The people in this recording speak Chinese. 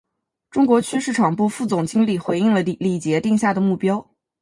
中国区市场部副总经理回应了李杰定下的目标